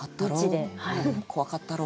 怖かったろう。